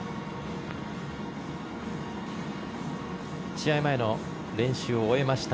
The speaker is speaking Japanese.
試合前の練習を終えました